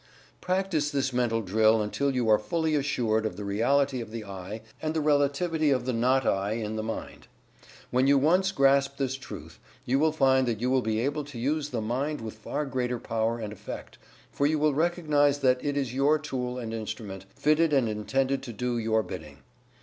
Practice this Mental Drill until you are fully assured of the reality of the "I" and the relativity of the "not "I" in the mind. When you once grasp this truth, you will find that you will be able to use the mind with far greater power and effect, for you will recognize that it is your tool and instrument, fitted and intended to do your bidding.